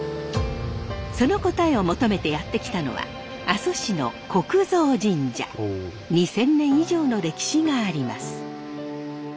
その答えを求めてやって来たのは２，０００年以上の歴史があります。